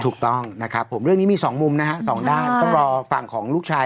ถูกต้องนะครับผมเรื่องนี้มีสองมุมนะฮะสองด้านต้องรอฝั่งของลูกชาย